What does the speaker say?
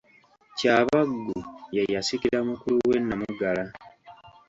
Kyabaggu ye yasikira mukulu we Namugala.